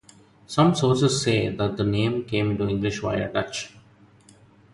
Some sources say that the name came into English via Dutch.